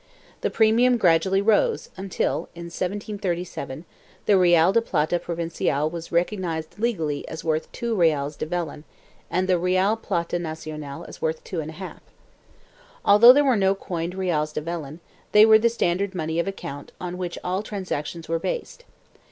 2 The premium gradually rose until, in 1737, the real de plata provincial was recog nized legally as worth 2 reales de vellon and the real de plata nacional as worth 2J. Although there were no coined reales de vellon, they were the standard money of account on which all transactions were based.